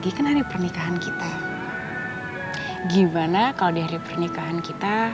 itu kan tanda perhatian dan kasih sayang kita